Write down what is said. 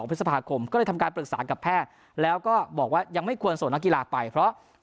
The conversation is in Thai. พฤษภาคมก็เลยทำการปรึกษากับแพทย์แล้วก็บอกว่ายังไม่ควรส่งนักกีฬาไปเพราะ